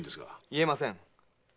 言えません。